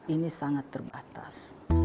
ini sangat terbatas